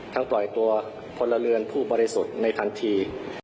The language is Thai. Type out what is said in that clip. ปล่อยตัวพลเรือนผู้บริสุทธิ์ในทันที